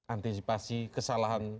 antisipasi kesalahan penumpang